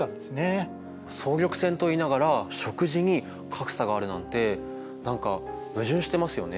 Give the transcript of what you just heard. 総力戦といいながら食事に格差があるなんて何か矛盾してますよね。